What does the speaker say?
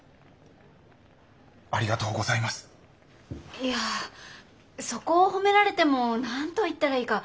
いやそこを褒められても何と言ったらいいか。